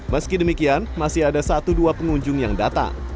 meski demikian masih ada satu dua pengunjung yang datang